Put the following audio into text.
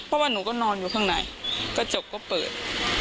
เพราะว่าหนูก็นอนอยู่ข้างในกระจกก็เปิด